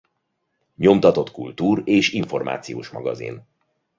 Nyomtatott kultúr- és információs magazin.